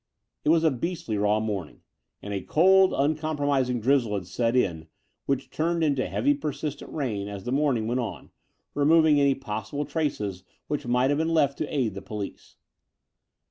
It was a beastly raw morning; and a cold, un compromising drizzle had set in, which turned into heavy persistent rain, as the morning went on, removing any possible traces which might have been left to aid the police.